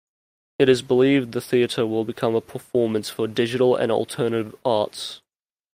It is believed the theater will become a performance for digital and alternative arts.